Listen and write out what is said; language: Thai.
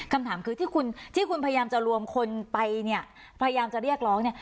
คำถามคือที่คุณพยายามจะรวมคนไปพยายามจะเรียกร้อง